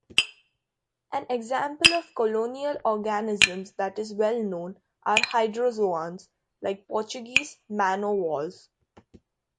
An example of colonial organisms that is well known are hydrozoans, like Portuguese man-o-wars.